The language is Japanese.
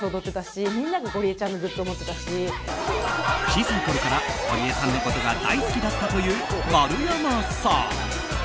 小さいころからゴリエさんのことが大好きだったという丸山さん。